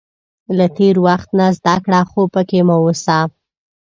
• له تېر وخت نه زده کړه، خو پکې مه اوسه.